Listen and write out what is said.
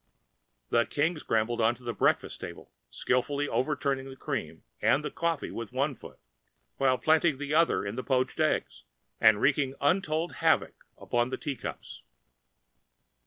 The King scrambled on to the breakfast table, skilfully overturning the cream and the coffee with one foot, while planting the other in the poached eggs, and wreaking untold havoc among the teacups.